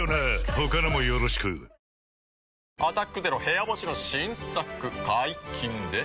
他のもよろしく「アタックＺＥＲＯ部屋干し」の新作解禁です。